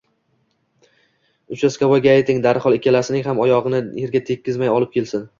Uchastkavoyga ayting, darhol ikkalasining ham oyog`ini erga tegizmay olib kelsin